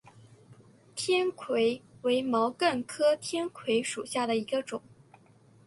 天葵为毛茛科天葵属下的一个种。